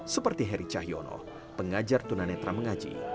seperti heri cahyono pengajar tunanetra mengaji